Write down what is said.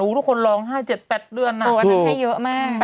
อู้วทุกคนร้องห้าเจ็ดแปดเดือนน่ะโอ้วอันนั้นให้เยอะแม่